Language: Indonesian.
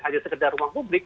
hanya sekedar ruang publik